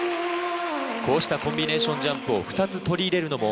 こうしたコンビネーションジャンプを２つ取り入れるのも